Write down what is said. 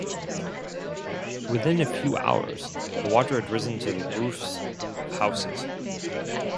Within a few hours the water had risen to the roofs of houses.